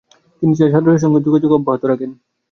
তিনি তাঁর ছাত্রদের সঙ্গে যোগাযোগ অব্যাহত রাখেন।